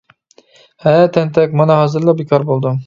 ھە تەنتەك مانا ھازىرلا بىكار بولدۇم.